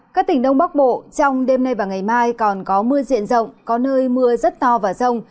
các tỉnh đông bắc bộ trong đêm nay và ngày mai còn có mưa diện rộng có nơi mưa rất to và rông